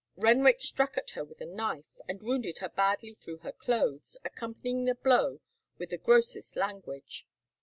Renwick struck at her with a knife, and wounded her badly through her clothes, accompanying the blow with the grossest language.